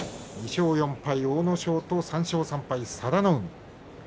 ２勝４敗の阿武咲と３勝３敗の佐田の海です。